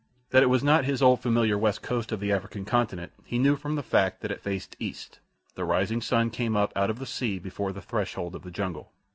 That it was not his old familiar west coast of the African continent he knew from the fact that it faced east—the rising sun came up out of the sea before the threshold of the jungle.